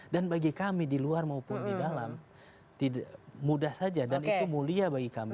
dan bagi kami di luar maupun di dalam mudah saja dan itu mulia bagi kami